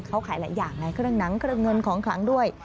เขาขายหลายอย่างในเครื่องหนังเครื่องเงินของคลังด้วย